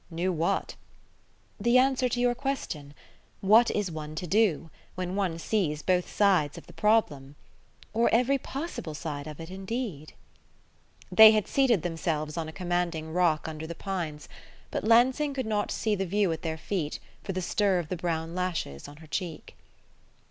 "Knew what?" "The answer to your question. What is one to do when one sees both sides of the problem? Or every possible side of it, indeed?" They had seated themselves on a commanding rock under the pines, but Lansing could not see the view at their feet for the stir of the brown lashes on her cheek.